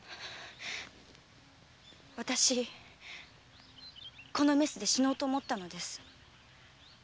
わたしこのメスで死のうと思ったのです。